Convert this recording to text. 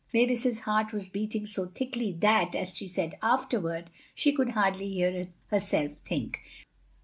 Mavis's heart was beating so thickly that, as she said afterward, she could hardly hear herself think.